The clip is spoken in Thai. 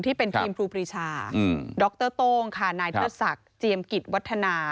ที่เป็นทีมครูปรีชาดรโต้งค่ะนายเทิดศักดิ์เจียมกิจวัฒนา